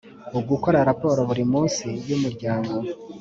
ugukora raporo buri munsi y’umuryango